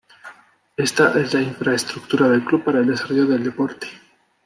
Esta es la infraestructura del club para el desarrollo del deporte